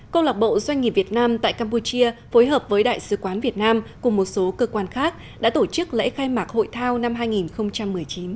công lạc bộ doanh nghiệp việt nam tại campuchia phối hợp với đại sứ quán việt nam cùng một số cơ quan khác đã tổ chức lễ khai mạc hội thao năm hai nghìn một mươi chín